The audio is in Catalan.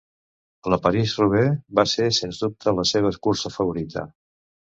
La París-Roubaix va ser sens dubte la seva cursa favorita.